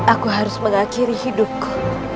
aku harus mengakhiri hidupku